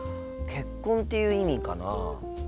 「結婚」っていう意味かな？